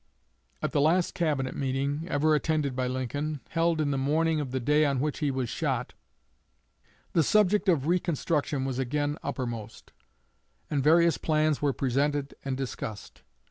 '" At the last Cabinet meeting ever attended by Lincoln, held in the morning of the day on which he was shot, the subject of Reconstruction was again uppermost, and various plans were presented and discussed.